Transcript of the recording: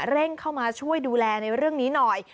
เร่งเข้ามาช่วยดูแลในเรื่องนี้หน่อย